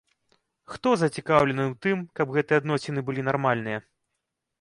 Хто зацікаўлены ў тым, каб гэтыя адносіны былі нармальныя?